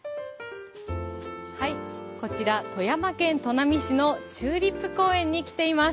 こちら、富山県砺波市のチューリップ公園に来ています。